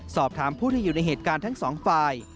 สอบถามผู้ที่อยู่ในเหตุการณ์ทั้งสองฝ่าย